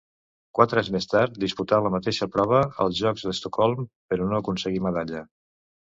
Quatre anys més tard disputà la mateixa prova als Jocs d'Estocolm, però no aconseguí medalla.